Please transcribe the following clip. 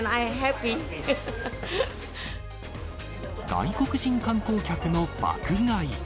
外国人観光客の爆買い。